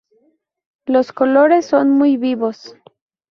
Los colores son muy vivos.